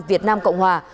việt nam cộng hòa